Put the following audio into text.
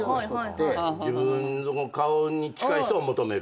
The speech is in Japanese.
自分の顔に近い人を求める。